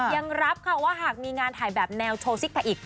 ยังรับค่ะว่าหากมีงานถ่ายแบบแนวโชว์ซิกแพคอีก